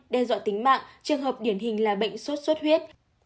đe dọa tính mạng trường hợp điển hình là bệnh suốt suốt huyết